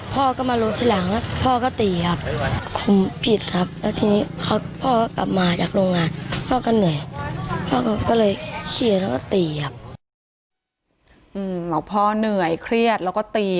พ่อก็เหนื่อยเครียดแล้วก็ตี